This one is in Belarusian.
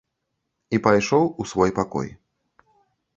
І пайшоў у свой пакой.